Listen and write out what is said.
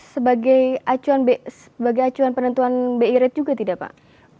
sebagai acuan penentuan bi rate juga tidak pak